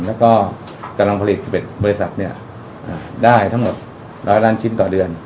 และกำลังผลิต๑๑บริษัทได้๑๐๐ร้านชิ้นต่อเดือน